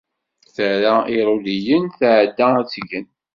Terra iriduyen, tεedda ad tgen.